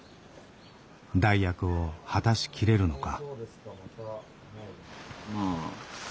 代役を果たしきれるのか。